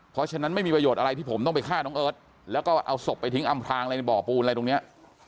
เพราะฉะนั้นไม่มีประโยชน์อะไรที่ผมต้องไปฆ่าน้องเอิร์ทแล้วก็เอาศพไปทิ้งอำพลางอะไรในบ่อปูนอะไรตรงเนี้ย